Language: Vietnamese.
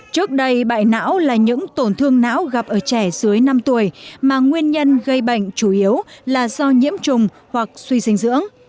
trước đây bại não là những tổn thương não gặp ở trẻ dưới năm tuổi mà nguyên nhân gây bệnh chủ yếu là do nhiễm trùng hoặc suy dinh dưỡng